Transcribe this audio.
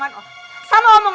kamu bukan percaya sama mamanya